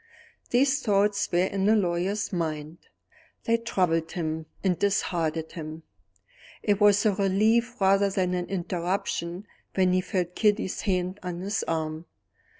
These thoughts were in the lawyer's mind. They troubled him and disheartened him: it was a relief rather than an interruption when he felt Kitty's hand on his arm.